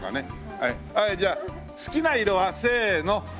はいじゃあ好きな色は？せーの。